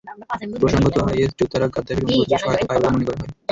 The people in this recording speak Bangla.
প্রসঙ্গত, আইএস যোদ্ধারা গাদ্দাফির অনুগতদের সহায়তা পায় বলে মনে করা হয়।